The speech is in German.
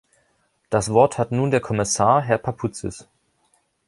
Das Wort hat nun der Kommissar, Herr Papoutsis.